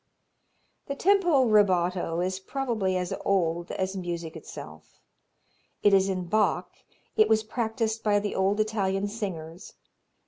The tempo rubato is probably as old as music itself. It is in Bach, it was practised by the old Italian singers.